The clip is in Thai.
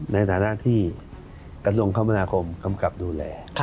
ในฐานะที่กระทรวงคมนาคมกำกับดูแล